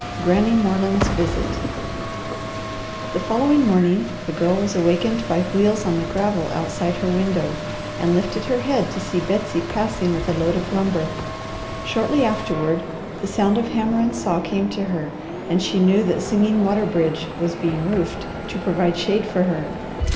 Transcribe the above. GRANNY MORELAND'S VISIT The following morning the Girl was awakened by wheels on the gravel outside her window, and lifted her head to see Betsy passing with a load of lumber. Shortly afterward the sound of hammer and saw came to her, and she knew that Singing Water bridge was being roofed to provide shade for her.